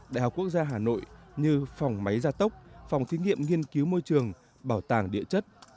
đại học quốc gia hà nội như phòng máy gia tốc phòng thí nghiệm nghiên cứu môi trường bảo tàng địa chất